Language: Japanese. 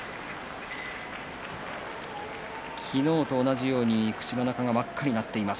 昨日と同じように口の中が真っ赤になっています。